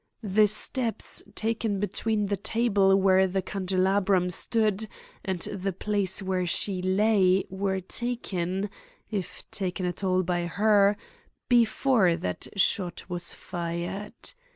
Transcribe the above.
The steps taken between the table where the candelabrum stood and the place where she lay, were taken, if taken at all by her, before that shot was fired.